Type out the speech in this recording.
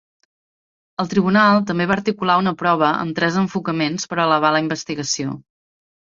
El tribunal també va articular una prova amb tres enfocaments per elevar la investigació.